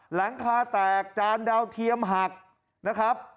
หลังคาแตกจานดาวเทียมหักนะครับ